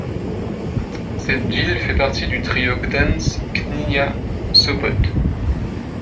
Cette ville fait partie du trio Gdańsk, Gdynia, Sopot.